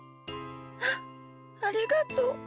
あっありがとう。